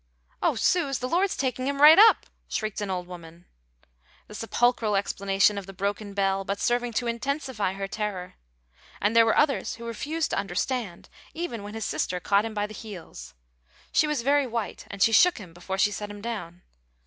"Oh, suz, the Lord's taking him right up!" shrieked an old woman, the sepulchral explanation of the broken bell but serving to intensify her terror; and there were others who refused to understand, even when his sister caught him by the heels. She was very white, and she shook him before she set him down.